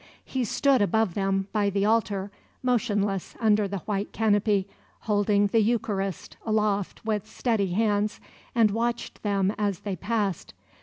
He stood above them, by the altar, motionless under the white canopy, holding the Eucharist aloft with steady hands, and watched them as they passed.